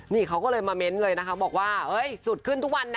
นี่เขาก็เลยมาเม้นต์เลยนะคะบอกว่าสุดขึ้นทุกวันนะ